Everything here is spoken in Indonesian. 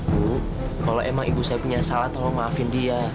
bu kalau emang ibu saya punya salah tolong maafin dia